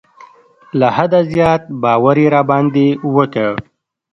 له حده زیات باور یې را باندې وکړ.